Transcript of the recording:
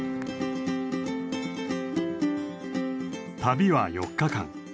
旅は４日間。